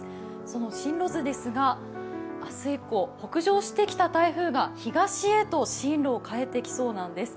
その進路図ですが、明日以降北上してきた台風が東へと進路をかえてきそうなんです。